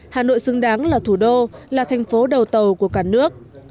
hà nội xứng đáng là thủ đô là thành phố đầu tàu của cả nước